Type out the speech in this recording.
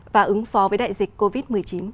và ứng phó với đại dịch covid một mươi chín